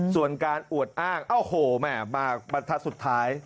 ส่วนการอวดอ้างมาปันทะสุดท้าย